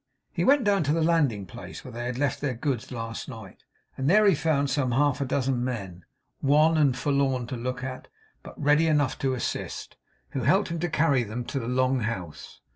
He went down to the landing place where they had left their goods last night; and there he found some half dozen men wan and forlorn to look at, but ready enough to assist who helped him to carry them to the log house.